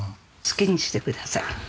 好きにしてください。